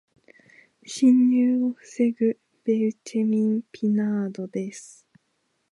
侵入を防ぐベウチェミン・ピナードです。